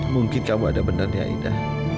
mungkin kamu ada benar ya ida